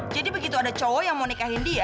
jadi begitu ada cowok yang mau nikahin dia